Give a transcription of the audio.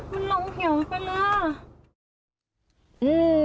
มันหลงเขียวไปแล้ว